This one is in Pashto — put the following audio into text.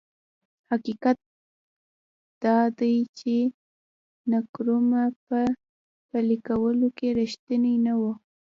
حقیقت دا دی چې نکرومه په پلي کولو کې رښتینی نه و.